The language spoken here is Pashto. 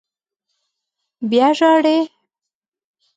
_بيا ژاړې!